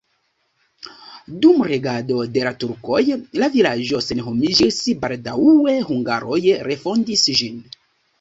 Dum regado de la turkoj la vilaĝo senhomiĝis, baldaŭe hungaroj refondis ĝin.